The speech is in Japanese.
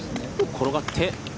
転がって。